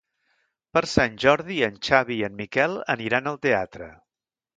Per Sant Jordi en Xavi i en Miquel aniran al teatre.